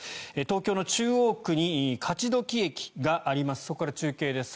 東京の中央区に勝どき駅があります。